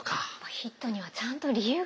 ヒットにはちゃんと理由があるんですね。